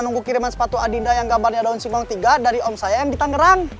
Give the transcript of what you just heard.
nunggu kiriman sepatu adinda yang gambarnya daun singkong tiga dari om sayang kita ngerang